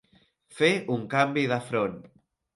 Fer un canvi de front.